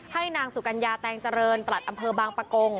ให้นางสุกัญญาแตงเจริญประหลัดอำเภอบางปะกง